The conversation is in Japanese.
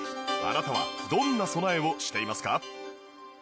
あなたはどんな備えをしていますか？